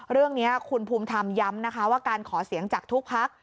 เรื่องนี้คุณภูมิธรรมย้ำนะคะว่าการขอเสียงจากทุกพัก